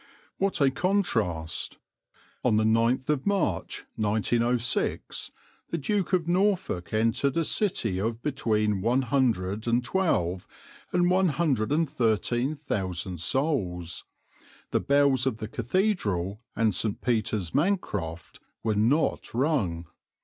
What a contrast! On the 9th of March, 1906, the Duke of Norfolk entered a city of between one hundred and twelve and one hundred and thirteen thousand souls; the bells of the cathedral and St. Peter's Mancroft were not rung.